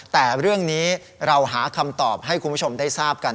แต่เรื่องนี้เราหาคำตอบให้คุณผู้ชมได้ทราบกัน